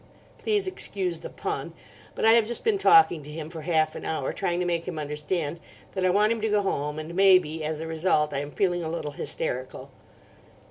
Please excuse the pun; but I have just been talking to him for half an hour, trying to make him understand that I want him to go home, and maybe, as a result, I am feeling a little hysterical.